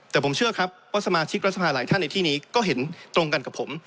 แต่ผมเชื่อครับว่าสมาชิกรัฐสภาหลายท่านในที่นี้ก็เห็นตรงกันกับผม